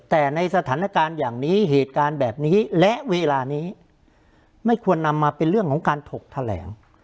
แต่ในสถานการณ์อย่างนี้เหตุการณ์แบบนี้และเวลานี้ไม่ควรนำมาเป็นเรื่องของการถกแถลง